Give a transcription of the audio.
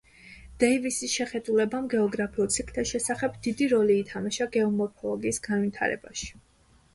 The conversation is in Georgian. დეივისის შეხედულებამ გეოგრაფიულ ციკლთა შესახებ დიდი როლი ითამაშა გეომორფოლოგიის განვითარებაში.